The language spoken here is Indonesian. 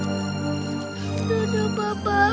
baby harus pergi sekarang pan